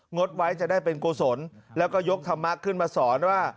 ดไว้จะได้เป็นกุศลแล้วก็ยกธรรมะขึ้นมาสอนว่า